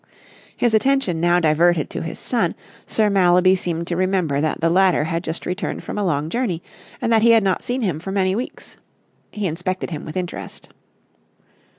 His attention now diverted to his son, Sir Mallaby seemed to remember that the latter had just returned from a long journey and that he had not seen him for many weeks. He inspected him with interest.